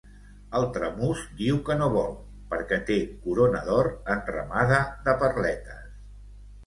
El tramús diu que no vol, perqué té corona d’or enramada de perletes.